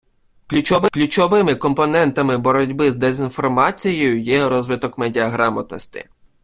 Ключовими компонентами боротьби з дезінформацією є – розвиток медіаграмотності.